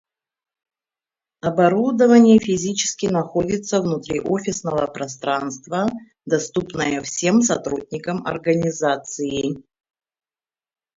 Оборудование физически находится внутри офисного пространства, доступное всем сотрудникам организации